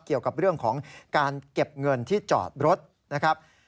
เกี่ยวกับเรื่องของการเก็บเงินที่จอดรถนะครับ